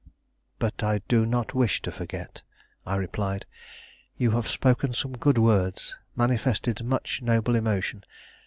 "But I do not wish to forget," I replied. "You have spoken some good words, manifested much noble emotion.